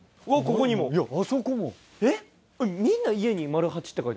えっ？